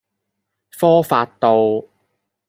科發道